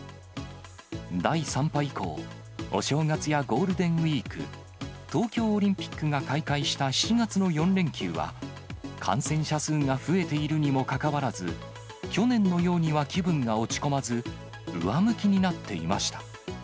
第３波以降、お正月やゴールデンウィーク、東京オリンピックが開会した７月の４連休は、感染者数が増えているにもかかわらず、去年のようには気分が落ち込まず、上向きになっていました。